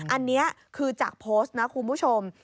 อันนี้คือจากโพสต์นะคุณผู้ชม